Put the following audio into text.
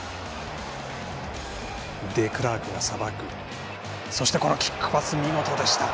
デクラークがさばいてそして、このキックパス見事でした。